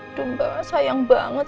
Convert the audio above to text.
aduh mbak sayang banget